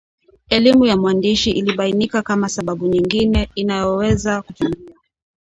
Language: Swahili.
Elimu ya mwandishi ilibainaika kama sababu nyingine inayoweza kuchangia